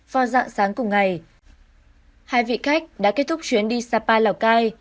vào dạng sáng cùng ngày hai vị khách đã kết thúc chuyến đi sapa lào cai